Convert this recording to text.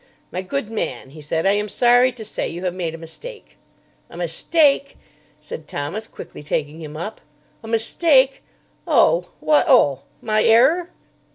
"My good man," he said, "I am sorry to say you have made a mistake." "A mistake!" said Thomas, quickly taking him up. "A mistake! Oh! What oh! My errer?"